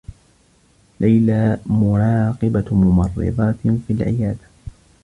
ليلى مراقبة ممرّضات في العيادة.